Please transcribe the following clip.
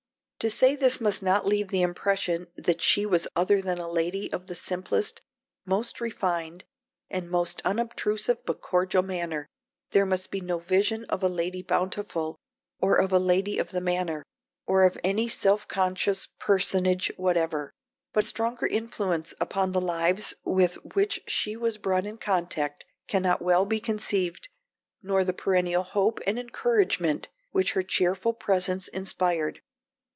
To say this must not leave the impression that she was other than a lady of the simplest, most refined, and most unobtrusive but cordial manner. There must be no vision of a Lady Bountiful, or of a Lady of the Manor, or of any self conscious personage whatever. But a stronger influence upon the lives with which she was brought in contact cannot well be conceived, nor the perennial hope and encouragement which her cheerful presence inspired.